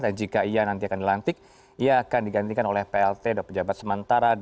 dan jika ia nanti akan dilantik ia akan digantikan oleh plt dan pejabat sementara